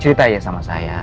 ceritain ya sama saya